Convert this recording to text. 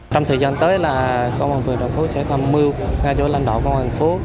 trong thời gian tới là công an phường trần phú sẽ tham mưu ngay cho lãnh đạo công an phố